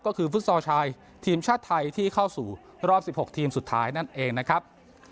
ก็คือฟุตซอลชายทีมชาติไทยที่เข้าสู่รอบ๑๖ทีมสุดท้ายนั่นเองนะครับ